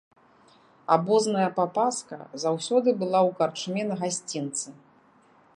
Абозная папаска заўсёды была ў карчме на гасцінцы.